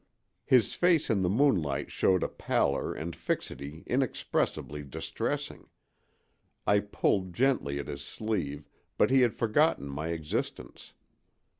His face in the moonlight showed a pallor and fixity inexpressibly distressing. I pulled gently at his sleeve, but he had forgotten my existence.